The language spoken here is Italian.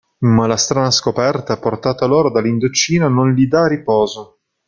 Ma la strana scoperta, portata loro dall'Indocina, non gli dà riposo.